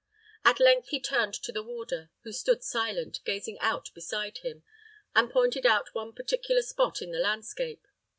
At length he turned to the warder, who stood silent, gazing out beside him, and pointed out one particular spot in the landscape.